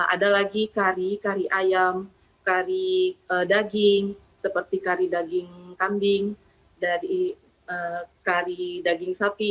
ada lagi kari kari ayam kari daging seperti kari daging kambing dari kari daging sapi